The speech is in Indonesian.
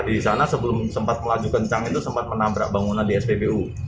di sana sebelum sempat melaju kencang itu sempat menabrak bangunan di spbu